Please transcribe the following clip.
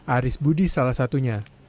aris budi salah satunya